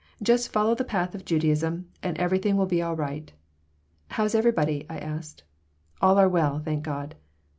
Just follow the path of Judaism and everything will be all right." "How's everybody?" I asked "All are well, thank God."